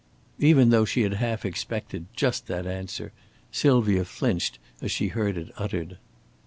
Even though she had half expected just that answer, Sylvia flinched as she heard it uttered.